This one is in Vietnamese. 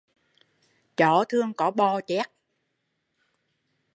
Chó thường có bọ chét